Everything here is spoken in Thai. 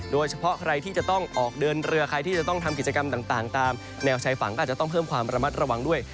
โดยเฉพาะใครที่จะต้องออกเดินเรือใครที่จะต้องทำกิจกรรมต่างตามแนวชายฝั่งก็อาจจะต้องเพิ่มความระมัดระวังด้วย